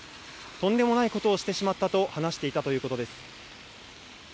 とんでもないことをしてしまったと話していたということです。